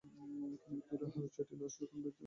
খানিক দূরে দূরে আরও ছয়টি লাশ কখন যেন এসে আটকে আছে।